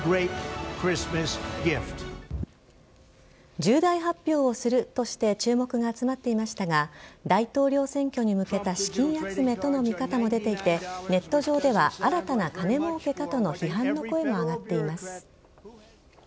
重大発表をするとして注目が集まっていましたが大統領選挙に向けた資金集めとの見方も出ていてネット上では新たな金もうけかとの批判の声も上がっています。